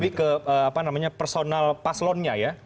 jadi lebih ke apa namanya personal paslonnya ya